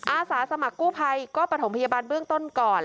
อาสาสมัครกู้ภัยก็ประถมพยาบาลเบื้องต้นก่อน